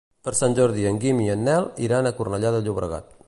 Per Sant Jordi en Guim i en Nel iran a Cornellà de Llobregat.